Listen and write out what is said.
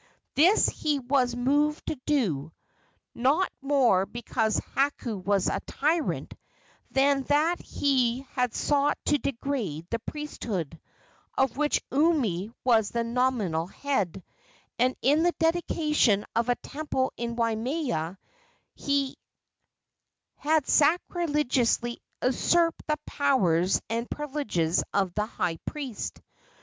This he was moved to do, not more because Hakau was a tyrant, than that he had sought to degrade the priesthood, of which Umi was the nominal head, and in the dedication of a temple in Waimea had sacrilegiously usurped the powers and privileges of the high priest.